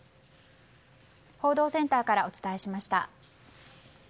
報道センターからお伝えしました。